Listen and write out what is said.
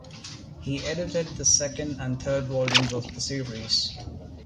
He edited the second and third volumes of the series.